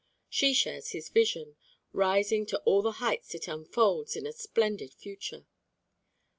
She shares his vision, rising to all the heights it unfolds in a splendid future.